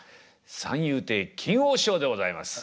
三遊亭金扇師匠でございます。